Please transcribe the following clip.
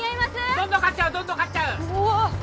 どんどん刈っちゃうどんどん刈っちゃううわっ！